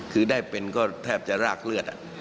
คือได้เป็นก็แทบจะรากเลือด